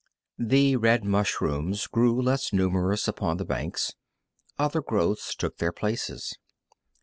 The red mushrooms grew less numerous upon the banks. Other growths took their places.